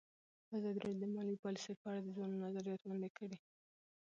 ازادي راډیو د مالي پالیسي په اړه د ځوانانو نظریات وړاندې کړي.